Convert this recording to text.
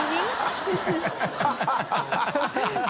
ハハハ